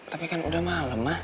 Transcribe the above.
tapi kan udah malem ma